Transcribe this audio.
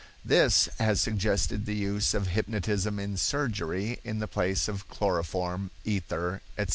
This has suggested the use of hypnotism in surgery in the place of chloroform, ether, etc.